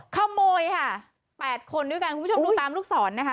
ขโมยค่ะ๘คนด้วยกันคุณผู้ชมดูตามลูกศรนะคะ